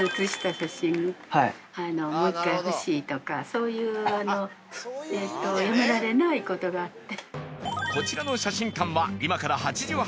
そういうやめられないことがあって。